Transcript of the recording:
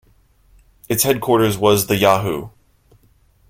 Its headquarters was the Yahoo!